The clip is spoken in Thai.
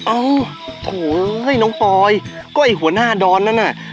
โอ้โฮเฮ้ยน้องพ่อไอ้ก็ไอ้หัวหน้าดอนนั่นนะ